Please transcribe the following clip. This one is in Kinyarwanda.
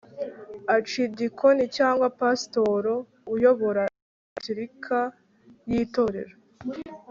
acidikoni cyangwa pasitori uyobora distirika y itorero